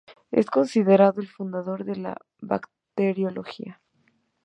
Es considerado el fundador de la bacteriología.